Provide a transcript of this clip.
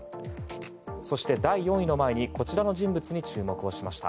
そして第４位の前にこちらの人物に注目しました。